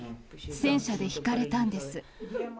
戦車でひかれたんです。